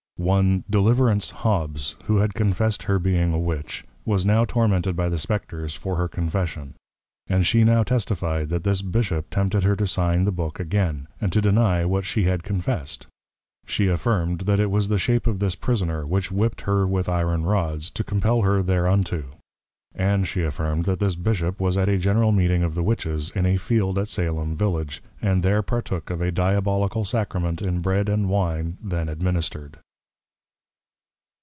One Deliverance Hobbs, who had confessed her being a Witch, was now tormented by the Spectres, for her Confession. And she now testifi'd, That this Bishop tempted her to Sign the Book again, and to deny what she had confess'd. She affirm'd, That it was the Shape of this Prisoner, which whipped her with Iron Rods, to compel her thereunto. And she affirmed, that this Bishop was at a General Meeting of the Witches, in a Field at Salem Village, and there partook of a Diabolical Sacrament in Bread and Wine then administred.